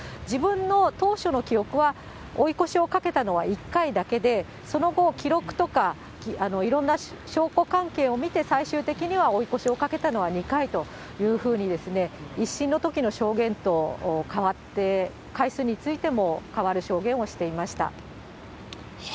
自分の当初の記憶は、追い越しをかけたのは１回だけで、その後、記録とかいろんな証拠関係を見て、最終的には追い越しをかけたのは２回というふうに、１審のときの証言と変わって、回数についても変わる証言をしていました。